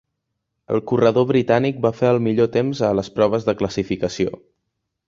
El corredor britànic va fer el millor temps a les proves de classificació.